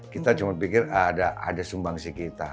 kita cuma pikir ada sumbang sih kita